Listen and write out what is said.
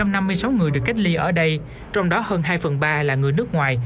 trong năm mươi sáu người được cách ly ở đây trong đó hơn hai phần ba là người nước ngoài